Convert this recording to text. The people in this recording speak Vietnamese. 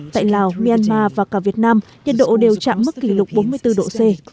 tại lào myanmar và cả việt nam nhiệt độ đều chạm mức kỷ lục bốn mươi bốn độ c